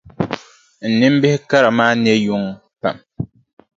N nimbihi kara maa ne yuŋ pam.